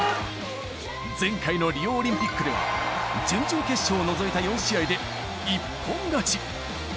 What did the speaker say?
前回のリオオリンピックでは、準々決勝を除いた４試合で一本勝ち。